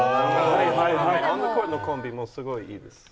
このコンビも、すごくいいです。